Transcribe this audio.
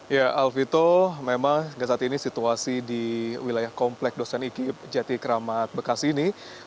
ya alvito memang hingga saat ini situasi di wilayah komplek dosen ikib jati keramat bekasi ini